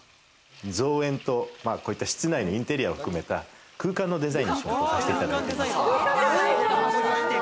造園とこういった室内のインテリアを含めた空間のデザインをさせていただいています。